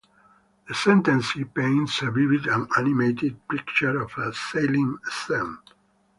The sentence paints a vivid and animated picture of a sailing scene.